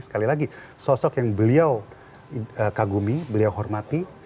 sekali lagi sosok yang beliau kagumi beliau hormati